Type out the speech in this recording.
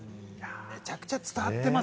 めちゃくちゃ伝わってます。